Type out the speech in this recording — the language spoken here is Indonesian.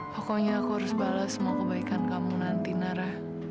pokoknya aku harus balas semua kebaikan kamu nanti nara